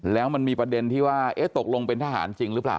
แล้วมันมีประเด็นที่ว่าตกลงเป็นทหารจริงหรือเปล่า